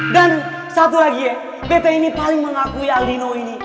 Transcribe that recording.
dan satu lagi ya beta ini paling mengakui aldino ini